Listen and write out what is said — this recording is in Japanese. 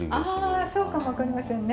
ああそうかもわかりませんね。